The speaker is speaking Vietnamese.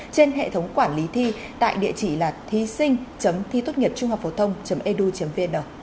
trên hệ thống quản lý thi tại địa chỉ là thising thitotnghiệpchunghocphothong edu vn